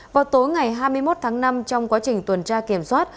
vào tối ngày hai mươi một tháng năm trong quá trình tuần tra kiểm soát